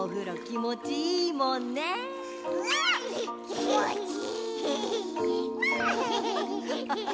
きもちいい！